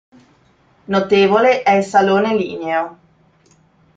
Notevole è il salone ligneo.